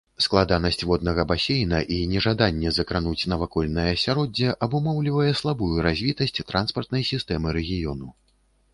Складанасць воднага басейна і нежаданне закрануць навакольнае асяроддзе абумоўлівае слабую развітасць транспартнай сістэмы рэгіёну.